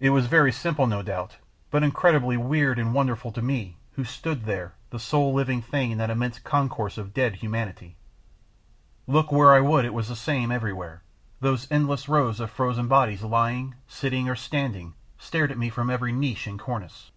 It was very simple, no doubt, but incredibly weird and wonderful to me who stood, the sole living thing in that immense concourse of dead humanity. Look where I would it was the same everywhere. Those endless rows of frozen bodies lying, sitting, or standing stared at me from every niche and cornice.